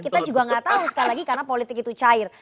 kita juga nggak tahu sekali lagi karena politik itu cair